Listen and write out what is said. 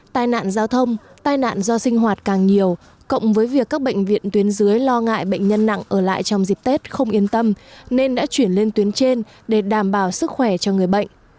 tai nạn giao thông tai nạn do sinh hoạt càng nhiều cộng với việc các bệnh viện tuyến dưới lo ngại bệnh nhân nặng ở lại trong dịp tết không yên tâm nên đã chuyển lên tuyến trên để đảm bảo sức khỏe cho người bệnh